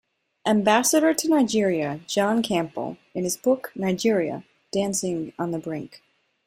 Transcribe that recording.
Ambassador to Nigeria John Campbell in his book, Nigeria: Dancing on the Brink.